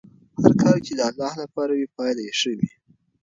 هر کار چې د الله لپاره وي پایله یې ښه وي.